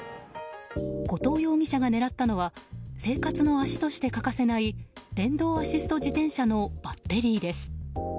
後藤容疑者が狙ったのは生活の足として欠かせない電動アシスト自転車のバッテリーです。